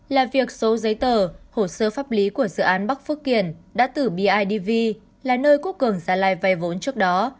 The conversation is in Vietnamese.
là việc số giấy tờ hồ sơ pháp lý của dự án bắc phước kiển đã tử bidv là nơi quốc cường gia lai vay vốn trước đó